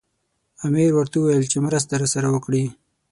امیر ورته وویل چې مرسته راسره وکړي.